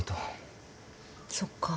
そっか。